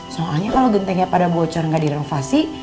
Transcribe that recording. soalnya kalau gentingnya pada bocor gak direnovasi